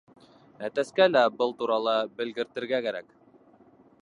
Әтәскә лә был турала белгертергә кәрәк.